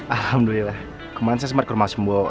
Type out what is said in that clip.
alhamdulillah kemarin saya sempat ke rumah sumba